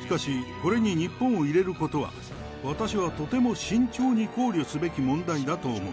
しかしこれに日本を入れることは、私はとても慎重に考慮すべき問題だと思う。